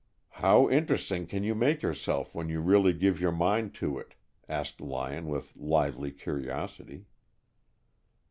"How interesting can you make yourself when you really give your mind to it?" asked Lyon, with lively curiosity.